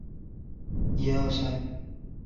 神志的传说有抄袭黄帝时期仓颉造字的嫌疑。